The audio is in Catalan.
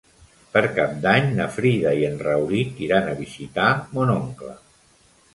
Per Cap d'Any na Frida i en Rauric iran a visitar mon oncle.